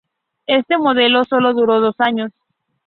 Este modelo sólo duró dos años.